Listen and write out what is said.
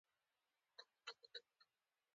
د مګنیزیم کاربونیټ کیمیاوي فورمول ولیکئ.